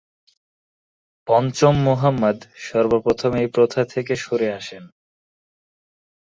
পঞ্চম মুহাম্মদ সর্বপ্রথম এই প্রথা থেকে সরে আসেন।